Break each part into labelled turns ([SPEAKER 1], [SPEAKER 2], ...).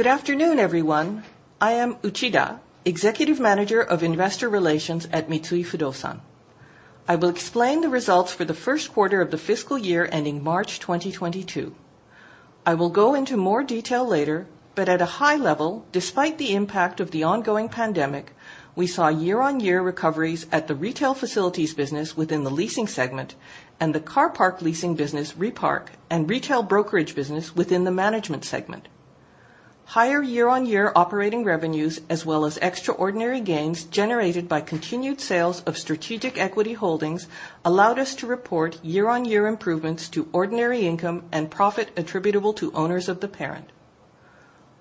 [SPEAKER 1] Good afternoon, everyone. I am Uchida, Executive Manager of Investor Relations at Mitsui Fudosan. I will explain the results for the first quarter of the fiscal year ending March 2022. I will go into more detail later, but at a high level, despite the impact of the ongoing pandemic, we saw year-on-year recoveries at the retail facilities business within the leasing segment and the car park leasing business, Repark, and retail brokerage business within the management segment. Higher year-on-year operating revenues, as well as extraordinary gains generated by continued sales of strategic equity holdings, allowed us to report year-on-year improvements to ordinary income and profit attributable to owners of the parent.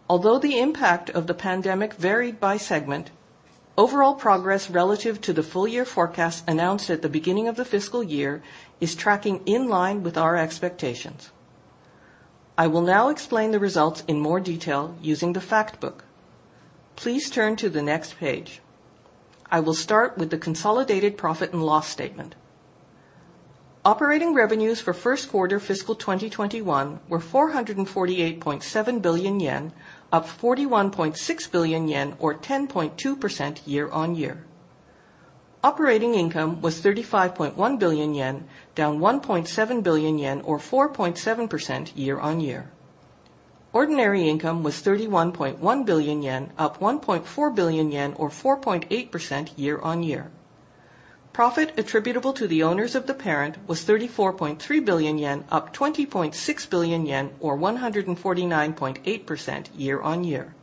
[SPEAKER 1] Although the impact of the pandemic varied by segment, overall progress relative to the full-year forecast announced at the beginning of the fiscal year is tracking in line with our expectations. I will now explain the results in more detail using the fact book. Please turn to the next page. I will start with the consolidated profit and loss statement. Operating revenues for first quarter fiscal 2021 were 448.7 billion yen, up 41.6 billion yen or 10.2% year-on-year. Operating income was 35.1 billion yen, down 1.7 billion yen or 4.7% year-on-year. Ordinary income was 31.1 billion yen, up 1.4 billion yen or 4.8% year-on-year. Profit attributable to the owners of the parent was 34.3 billion yen, up 20.6 billion yen or 149.8% year-on-year.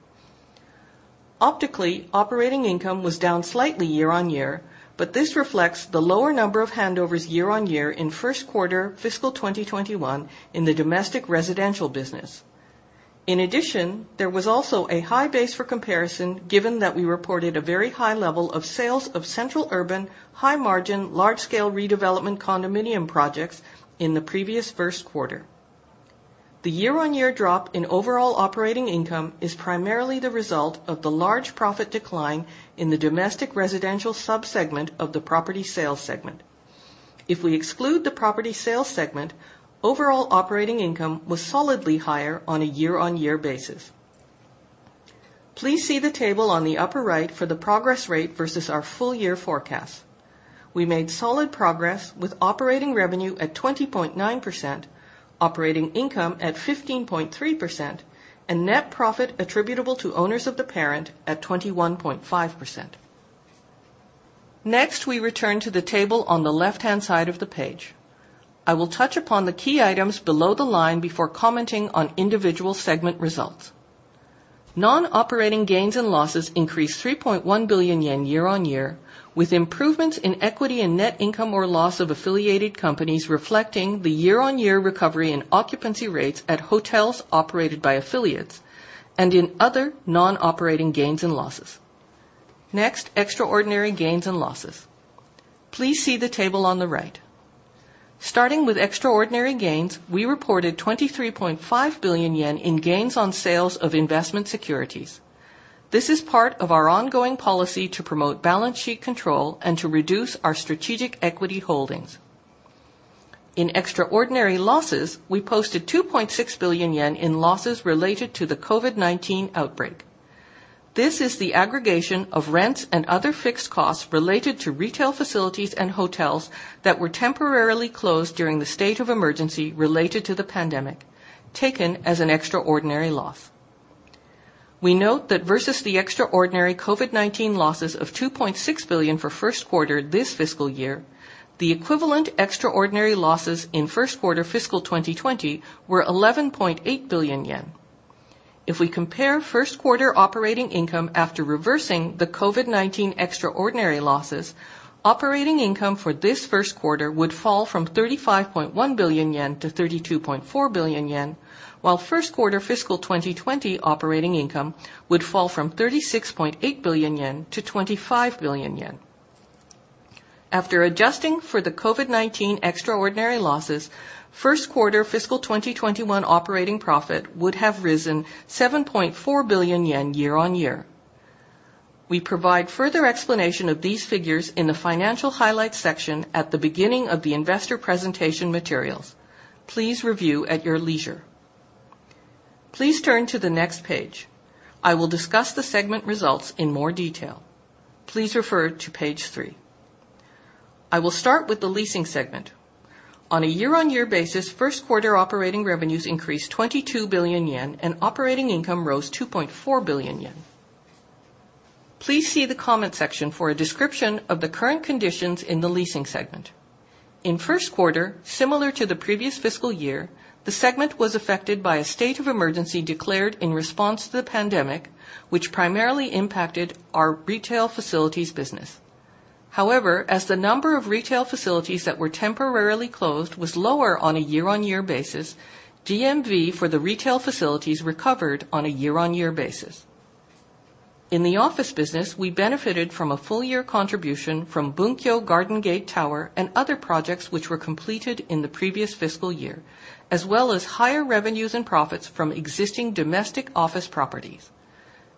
[SPEAKER 1] Optically, operating income was down slightly year-on-year, but this reflects the lower number of handovers year-on-year in first quarter fiscal 2021 in the domestic residential business. In addition, there was also a high base for comparison given that we reported a very high level of sales of central urban, high-margin, large-scale redevelopment condominium projects in the previous first quarter. The year-on-year drop in overall operating income is primarily the result of the large profit decline in the domestic residential sub-segment of the property sales segment. If we exclude the property sales segment, overall operating income was solidly higher on a year-on-year basis. Please see the table on the upper right for the progress rate versus our full-year forecast. We made solid progress with operating revenue at 20.9%, operating income at 15.3%, and net profit attributable to owners of the parent at 21.5%. We return to the table on the left-hand side of the page. I will touch upon the key items below the line before commenting on individual segment results. Non-operating gains and losses increased 3.1 billion yen year-on-year, with improvements in equity in net income or loss of affiliated companies reflecting the year-on-year recovery in occupancy rates at hotels operated by affiliates and in other non-operating gains and losses. Next, extraordinary gains and losses. Please see the table on the right. Starting with extraordinary gains, we reported 23.5 billion yen in gains on sales of investment securities. This is part of our ongoing policy to promote balance sheet control and to reduce our strategic equity holdings. In extraordinary losses, we posted 2.6 billion yen in losses related to the COVID-19 outbreak. This is the aggregation of rents and other fixed costs related to retail facilities and hotels that were temporarily closed during the state of emergency related to the pandemic, taken as an extraordinary loss. We note that versus the extraordinary COVID-19 losses of 2.6 billion for first quarter this fiscal year, the equivalent extraordinary losses in first quarter fiscal 2020 were 11.8 billion yen. We compare first quarter operating income after reversing the COVID-19 extraordinary losses, operating income for this first quarter would fall from 35.1 billion yen to 32.4 billion yen, while first quarter fiscal 2020 operating income would fall from 36.8 billion yen to 25 billion yen. Adjusting for the COVID-19 extraordinary losses, first quarter fiscal 2021 operating profit would have risen 7.4 billion yen year-on-year. We provide further explanation of these figures in the financial highlights section at the beginning of the investor presentation materials. Please review at your leisure. Please turn to the next page. I will discuss the segment results in more detail. Please refer to page three. I will start with the leasing segment. On a year-on-year basis, first quarter operating revenues increased 22 billion yen, and operating income rose 2.4 billion yen. Please see the comment section for a description of the current conditions in the leasing segment. In first quarter, similar to the previous fiscal year, the segment was affected by a state of emergency declared in response to the pandemic, which primarily impacted our retail facilities business. As the number of retail facilities that were temporarily closed was lower on a year-on-year basis, GMV for the retail facilities recovered on a year-on-year basis. In the office business, we benefited from a full-year contribution from Bunkyo Garden Gate Tower and other projects which were completed in the previous fiscal year, as well as higher revenues and profits from existing domestic office properties.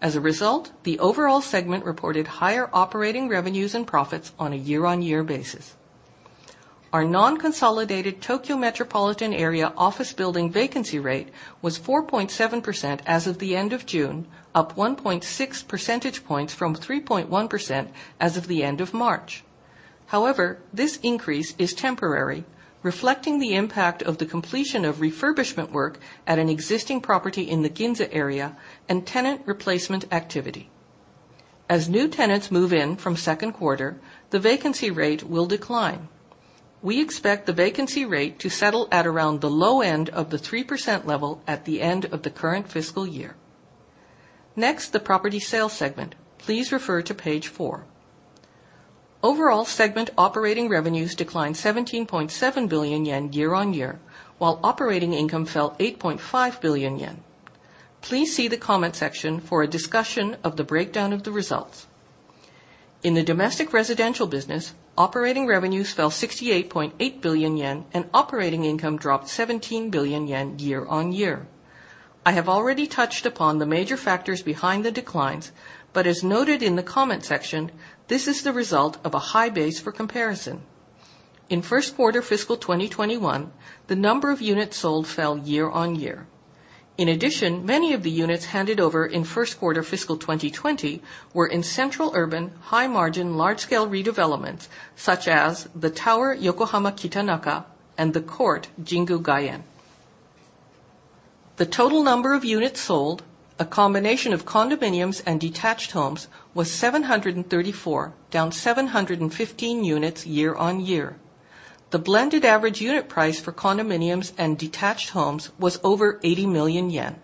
[SPEAKER 1] As a result, the overall segment reported higher operating revenues and profits on a year-on-year basis. Our non-consolidated Tokyo metropolitan area office building vacancy rate was 4.7% as of the end of June, up 1.6 percentage points from 3.1% as of the end of March. However, this increase is temporary, reflecting the impact of the completion of refurbishment work at an existing property in the Ginza area and tenant replacement activity. As new tenants move in from second quarter, the vacancy rate will decline. We expect the vacancy rate to settle at around the low end of the 3% level at the end of the current fiscal year. The property sales segment. Please refer to page four. Overall segment operating revenues declined 17.7 billion yen year-on-year, while operating income fell 8.5 billion yen. Please see the comment section for a discussion of the breakdown of the results. In the domestic residential business, operating revenues fell 68.8 billion yen, and operating income dropped 17 billion yen year-on-year. I have already touched upon the major factors behind the declines, but as noted in the comment section, this is the result of a high base for comparison. In first quarter fiscal 2021, the number of units sold fell year-on-year. In addition, many of the units handed over in first quarter fiscal 2020 were in central urban, high-margin, large-scale redevelopments, such as THE TOWER Yokohama Kitanaka and THE COURT Jingu Gaien. The total number of units sold, a combination of condominiums and detached homes, was 734, down 715 units year-on-year. The blended average unit price for condominiums and detached homes was over 80 million yen.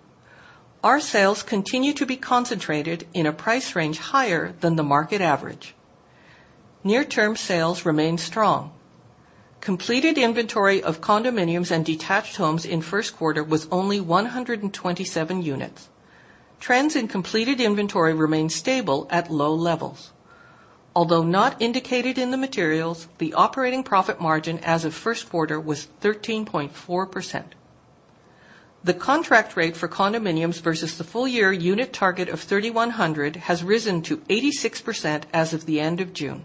[SPEAKER 1] Our sales continue to be concentrated in a price range higher than the market average. Near-term sales remain strong. Completed inventory of condominiums and detached homes in first quarter was only 127 units. Trends in completed inventory remain stable at low levels. Although not indicated in the materials, the operating profit margin as of first quarter was 13.4%. The contract rate for condominiums versus the full-year unit target of 3,100 has risen to 86% as of the end of June.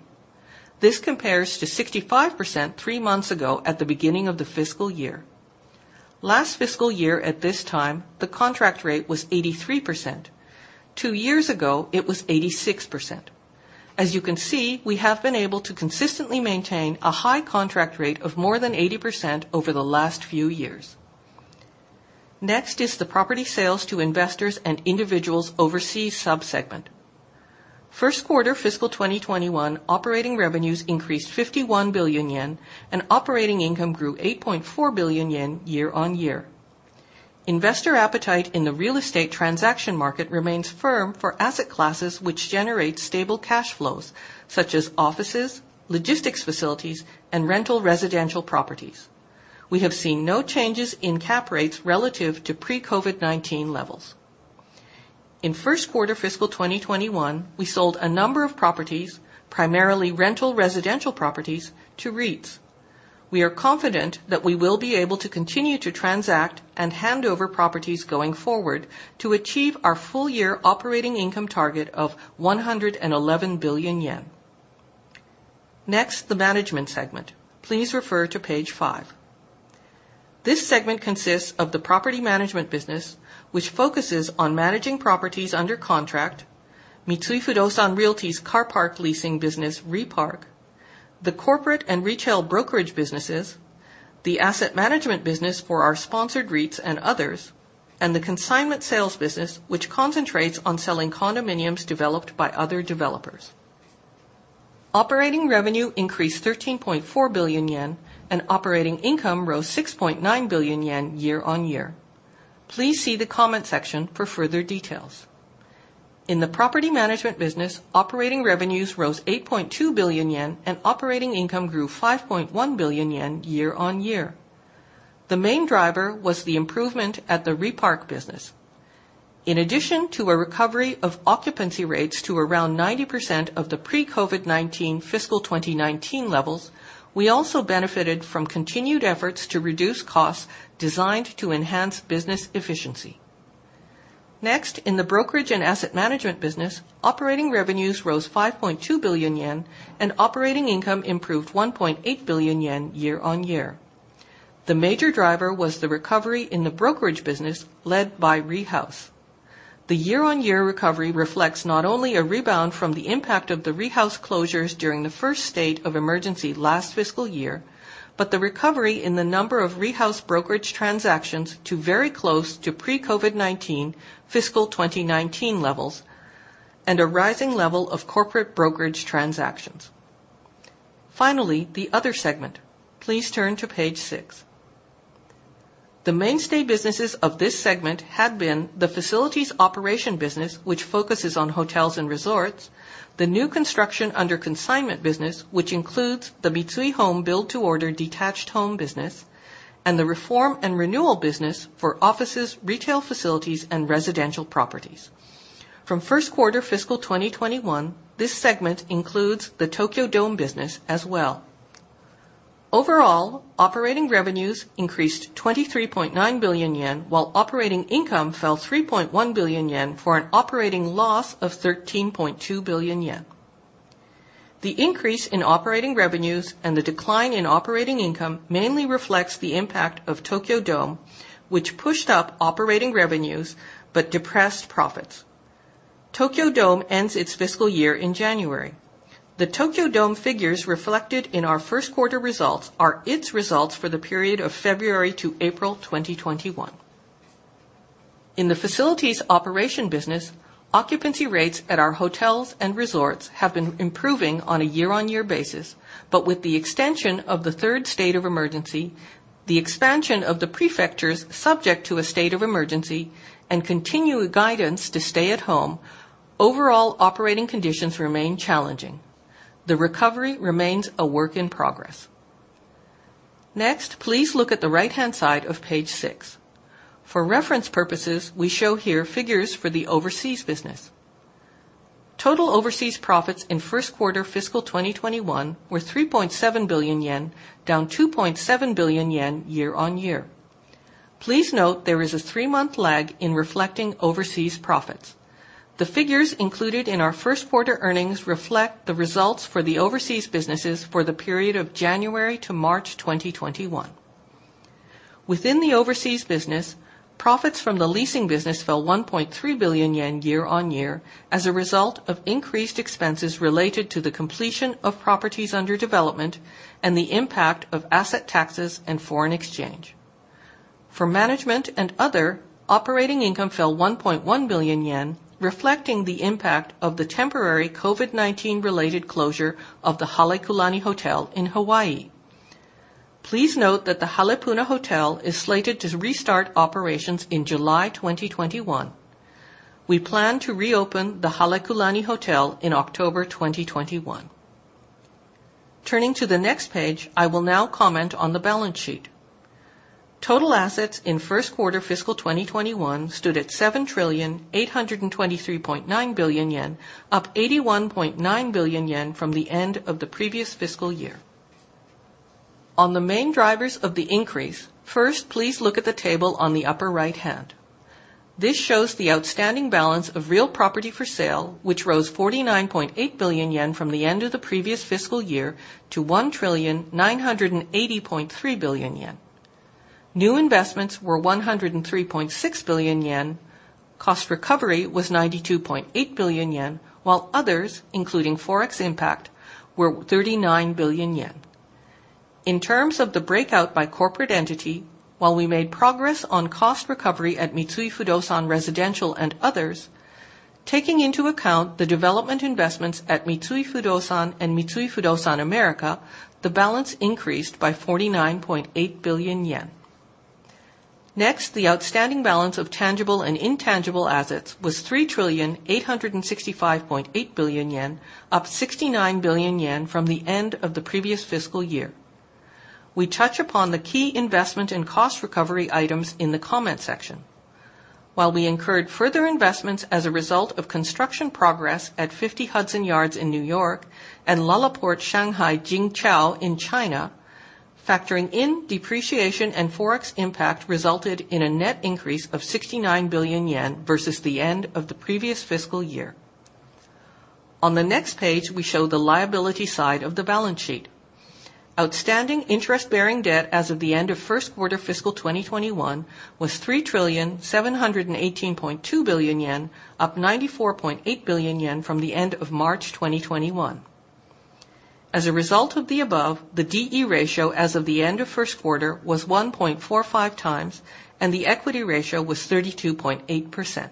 [SPEAKER 1] This compares to 65% three months ago at the beginning of the fiscal year. Last fiscal year at this time, the contract rate was 83%. Two years ago, it was 86%. As you can see, we have been able to consistently maintain a high contract rate of more than 80% over the last few years. Next is the property sales to investors and individuals overseas sub-segment. First quarter fiscal 2021 operating revenues increased 51 billion yen, and operating income grew 8.4 billion yen year-on-year. Investor appetite in the real estate transaction market remains firm for asset classes which generate stable cash flows, such as offices, logistics facilities, and rental residential properties. We have seen no changes in cap rates relative to pre-COVID-19 levels. In first quarter fiscal 2021, we sold a number of properties, primarily rental residential properties, to REITs. We are confident that we will be able to continue to transact and hand over properties going forward to achieve our full-year operating income target of 111 billion yen. Next, the management segment. Please refer to page five. This segment consists of the property management business, which focuses on managing properties under contract, Mitsui Fudosan Realty's car park leasing business, Repark, the corporate and retail brokerage businesses, the asset management business for our sponsored REITs and others, and the consignment sales business, which concentrates on selling condominiums developed by other developers. Operating revenue increased 13.4 billion yen, and operating income rose 6.9 billion yen year-on-year. Please see the comment section for further details. In the property management business, operating revenues rose 8.2 billion yen, and operating income grew 5.1 billion yen year-on-year. The main driver was the improvement at the Repark business. In addition to a recovery of occupancy rates to around 90% of the pre-COVID-19 fiscal 2019 levels, we also benefited from continued efforts to reduce costs designed to enhance business efficiency. Next, in the brokerage and asset management business, operating revenues rose 5.2 billion yen, and operating income improved 1.8 billion yen year-on-year. The major driver was the recovery in the brokerage business led by Rehouse. The year-on-year recovery reflects not only a rebound from the impact of the Rehouse closures during the first state of emergency last fiscal year, but the recovery in the number of Rehouse brokerage transactions to very close to pre-COVID-19 fiscal 2019 levels and a rising level of corporate brokerage transactions. The other segment. Please turn to page six. The mainstay businesses of this segment have been the facilities operation business, which focuses on hotels and resorts, the new construction under consignment business, which includes the Mitsui Home build to order detached home business, and the reform and renewal business for offices, retail facilities, and residential properties. From first quarter fiscal 2021, this segment includes the Tokyo Dome business as well. Overall, operating revenues increased 23.9 billion yen, while operating income fell 3.1 billion yen for an operating loss of 13.2 billion yen. The increase in operating revenues and the decline in operating income mainly reflects the impact of Tokyo Dome, which pushed up operating revenues, but depressed profits. Tokyo Dome ends its fiscal year in January. The Tokyo Dome figures reflected in our first quarter results are its results for the period of February to April 2021. In the facilities operation business, occupancy rates at our hotels and resorts have been improving on a year-on-year basis, but with the extension of the third state of emergency, the expansion of the prefectures subject to a state of emergency, and continued guidance to stay at home, overall operating conditions remain challenging. The recovery remains a work in progress. Next, please look at the right-hand side of page six. For reference purposes, we show here figures for the overseas business. Total overseas profits in first quarter fiscal 2021 were 3.7 billion yen, down 2.7 billion yen year-on-year. Please note there is a three-month lag in reflecting overseas profits. The figures included in our first quarter earnings reflect the results for the overseas businesses for the period of January to March 2021. Within the overseas business, profits from the leasing business fell 1.3 billion yen year-on-year as a result of increased expenses related to the completion of properties under development and the impact of asset taxes and foreign exchange. For management and other, operating income fell 1.1 billion yen, reflecting the impact of the temporary COVID-19 related closure of the Halekulani Hotel in Hawaii. Please note that the Halepuna Hotel is slated to restart operations in July 2021. We plan to reopen the Halekulani Hotel in October 2021. Turning to the next page, I will now comment on the balance sheet. Total assets in first quarter fiscal 2021 stood at 7,823.9 billion yen, up 81.9 billion yen from the end of the previous fiscal year. On the main drivers of the increase, first, please look at the table on the upper right hand. This shows the outstanding balance of real property for sale, which rose 49.8 billion yen from the end of the previous fiscal year to 1,980.3 billion yen. New investments were 103.6 billion yen. Cost recovery was 92.8 billion yen, while others, including Forex impact, were 39 billion yen. In terms of the breakout by corporate entity, while we made progress on cost recovery at Mitsui Fudosan Residential and others, taking into account the development investments at Mitsui Fudosan and Mitsui Fudosan America, the balance increased by 49.8 billion yen. Next, the outstanding balance of tangible and intangible assets was 3,865.8 billion yen, up 69 billion yen from the end of the previous fiscal year. We touch upon the key investment and cost recovery items in the comments section. While we incurred further investments as a result of construction progress at 50 Hudson Yards in New York and LaLaport SHANGHAI JINQIAO in China, factoring in depreciation and Forex impact resulted in a net increase of 69 billion yen versus the end of the previous fiscal year. On the next page, we show the liability side of the balance sheet. Outstanding interest-bearing debt as of the end of first quarter fiscal 2021 was 3,718.2 billion yen, up 94.8 billion yen from the end of March 2021. As a result of the above, the D/E ratio as of the end of first quarter was 1.45 times, and the equity ratio was 32.8%.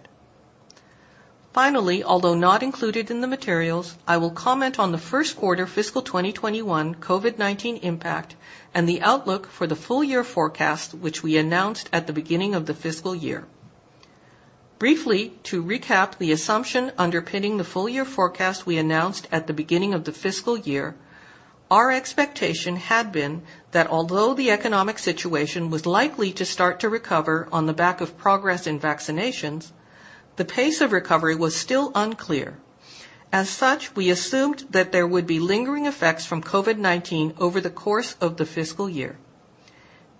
[SPEAKER 1] Although not included in the materials, I will comment on the first quarter fiscal 2021 COVID-19 impact and the outlook for the full-year forecast, which we announced at the beginning of the fiscal year. Briefly to recap the assumption underpinning the full-year forecast we announced at the beginning of the fiscal year, our expectation had been that although the economic situation was likely to start to recover on the back of progress in vaccinations, the pace of recovery was still unclear. As such, we assumed that there would be lingering effects from COVID-19 over the course of the fiscal year.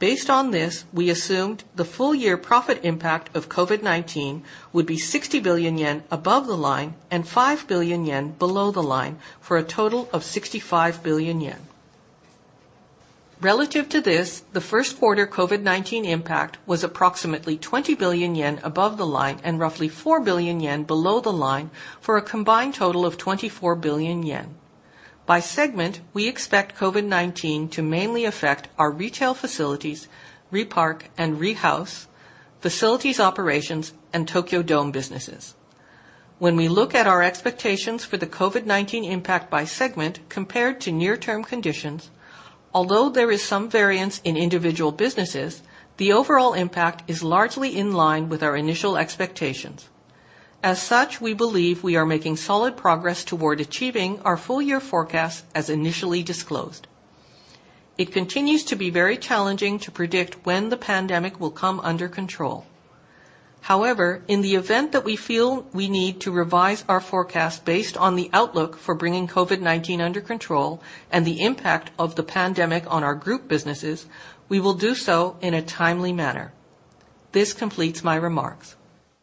[SPEAKER 1] Based on this, we assumed the full-year profit impact of COVID-19 would be 60 billion yen above the line and 5 billion yen below the line for a total of 65 billion yen. Relative to this, the first quarter COVID-19 impact was approximately 20 billion yen above the line and roughly 4 billion yen below the line for a combined total of 24 billion yen. By segment, we expect COVID-19 to mainly affect our retail facilities, Repark and Rehouse, facilities operations, and Tokyo Dome businesses. When we look at our expectations for the COVID-19 impact by segment compared to near-term conditions, although there is some variance in individual businesses, the overall impact is largely in line with our initial expectations. As such, we believe we are making solid progress toward achieving our full-year forecast as initially disclosed. It continues to be very challenging to predict when the pandemic will come under control. However, in the event that we feel we need to revise our forecast based on the outlook for bringing COVID-19 under control and the impact of the pandemic on our group businesses, we will do so in a timely manner. This completes my remarks.